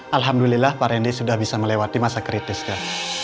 alhamdulillah pak rendy sudah bisa melewati masa kritis kak